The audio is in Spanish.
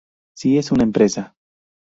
Si es una empresa.